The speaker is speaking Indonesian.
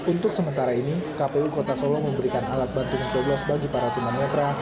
untuk sementara ini kpu kota solo memberikan alat bantuan coblos bagi para tumang netra